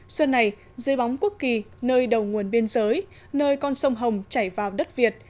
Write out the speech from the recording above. xuân này dưới bóng quốc kỳ nơi đầu nguồn biên giới nơi con sông hồng chảy vào đất việt